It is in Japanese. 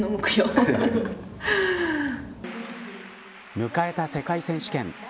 迎えた世界選手権。